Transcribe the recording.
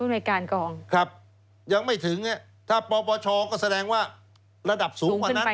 ในการกองครับยังไม่ถึงถ้าปปชก็แสดงว่าระดับสูงกว่านั้น